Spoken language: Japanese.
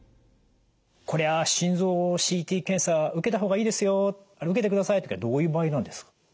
「これは心臓をＣＴ検査受けた方がいいですよあれ受けてください」とかいう時はどういう場合なんですか？